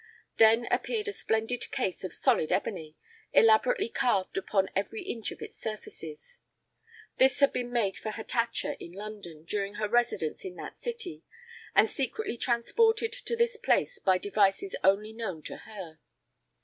Then appeared a splendid case of solid ebony, elaborately carved upon every inch of its surfaces. This had been made for Hatatcha in London, during her residence in that city, and secretly transported to this place by devices only known to her.